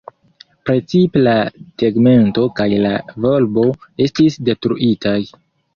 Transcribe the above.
Precipe la tegmento kaj la volbo estis detruitaj.